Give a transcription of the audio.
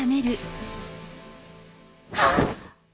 はっ！